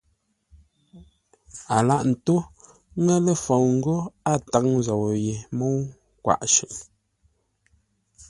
A lâghʼ ńtó ńŋə́ lə́ fou ńgó a táŋ zou yé mə́u kwaʼ shʉʼʉ,